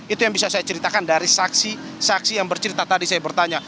itu yang bisa saya ceritakan dari saksi saksi yang bercerita tadi saya bertanya